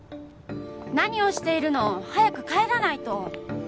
何をしているの。早く帰らないと！